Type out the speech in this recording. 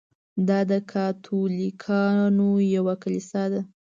دا د کاتولیکانو یوه کلیسا ده.